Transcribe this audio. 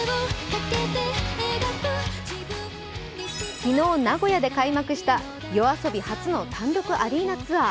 昨日、名古屋で開幕したＹＯＡＳＯＢＩ初の単独アリーナツアー。